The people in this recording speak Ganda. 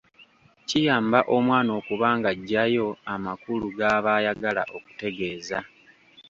Kiyamba omwana okuba ng’aggyayo amakulu g’aba ayagala okutegeeza.